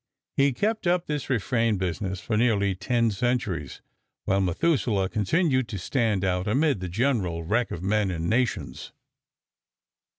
He kept up this refrain business for nearly ten centuries, while Methuselah continued to stand out amid the general wreck of men and nations.